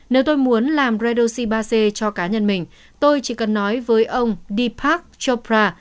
nếu tôi muốn làm redoxy ba c cho cá nhân mình tôi chỉ cần nói với ông deepak chopra